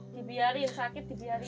dibiarin sakit dibiarin